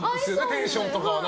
テンションとか。